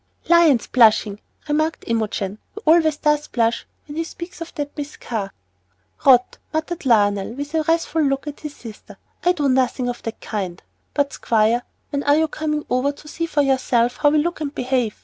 "Lion's blushing," remarked Imogen. "He always does blush when he speaks of that Miss Carr." "Rot!" muttered Lionel, with a wrathful look at his sister. "I do nothing of the kind. But, Squire, when are you coming over to see for yourself how we look and behave?